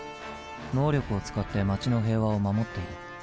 能力を使って街の平和を守っている。